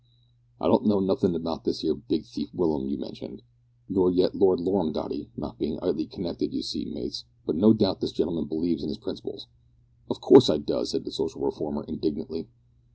"I don't know nothin' about that there big thief Willum you mentioned, nor yet Lord Lorrumdoddy, not bein' 'ighly connected, you see, mates, but no doubt this gentleman believes in 'is principles " "Of course I does," said the social reformer indignantly.